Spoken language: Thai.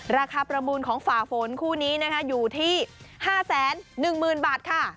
ประมูลของฝ่าฝนคู่นี้นะคะอยู่ที่๕๑๐๐๐บาทค่ะ